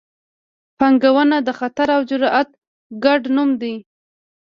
پانګونه د خطر او جرات ګډ نوم دی.